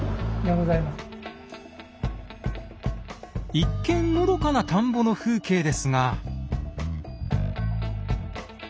一見のどかな田んぼの風景ですが。